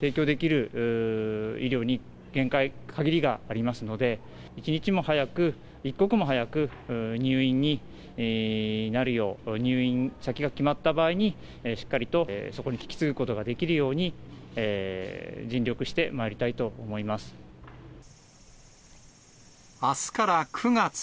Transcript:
提供できる医療に限界、限りがありますので、一日も早く、一刻も早く、入院になるよう、入院先が決まった場合に、しっかりとそこに引き継ぐことができるように、尽力してまいりたあすから９月。